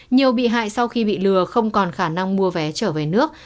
nhiều bị hại sau khi bị lừa không còn khả năng mua vé trở về nước